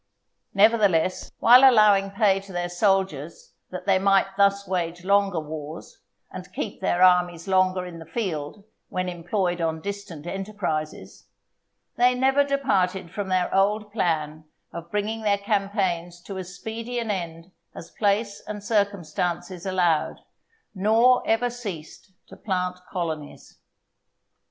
Nevertheless, while allowing pay to their soldiers that they might thus wage longer wars, and keep their armies longer in the field when employed on distant enterprises, they never departed from their old plan of bringing their campaigns to as speedy an end as place and circumstances allowed, nor ever ceased to plant colonies.